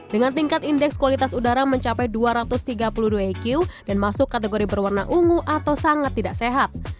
dengan tingkat indeks kualitas udara mencapai dua ratus tiga puluh dua eq dan masuk kategori berwarna ungu atau sangat tidak sehat